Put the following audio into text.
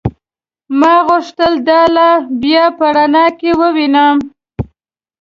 ما غوښتل دا لار بيا په رڼا کې ووينم.